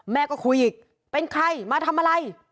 แม่ก็คุยอีกเป็นใครมาทำอะไร